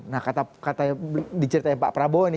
nah kata di ceritanya pak prabowo ini